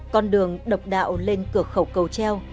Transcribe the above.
con đường độc đạo lên cửa khẩu cầu treo